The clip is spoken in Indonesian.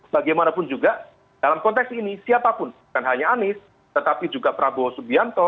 bagaimanapun juga dalam konteks ini siapapun bukan hanya anies tetapi juga prabowo subianto